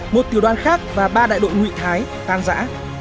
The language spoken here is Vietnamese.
một tiểu đoàn khác và ba đại đội ngụy thái tan giã